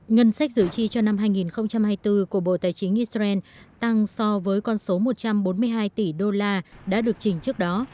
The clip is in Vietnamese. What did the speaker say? ngân sách dự tri cho năm hai nghìn hai mươi bốn của bộ tài chính israel tăng so với con số một trăm bốn mươi hai tỷ đô la đã được trình trước đó